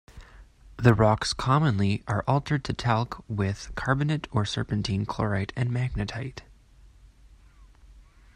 The rocks commonly are altered to talc with carbonate or serpentine, chlorite, and magnetite.